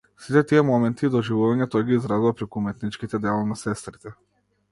Сите тие моменти и доживувања тој ги изразува преку уметничките дела на сестрите.